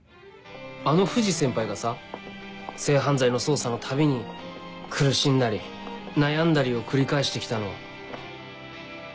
あの藤先輩がさ性犯罪の捜査のたびに苦しんだり悩んだりを繰り返して来たのを。